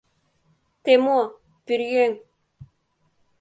— Те мо, пӧръеҥ!